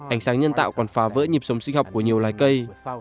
ánh sáng nhân tạo còn phá vỡ nhịp sống sinh học của nhiều loài cây